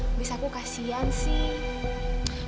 habis aku kasian sih